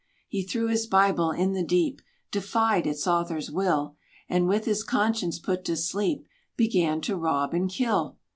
He threw his Bible in the deep, Defied its Author's will; And, with his conscience put to sleep, Began to rob and kill.